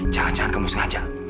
jangan jangan kamu sengaja